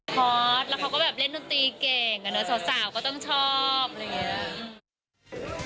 ฮอตแล้วเขาก็แบบเล่นดนตรีเก่งอะเนาะสาวก็ต้องชอบอะไรอย่างนี้